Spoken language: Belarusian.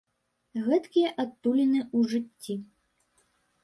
Гэткія адтуліны ў жыцці.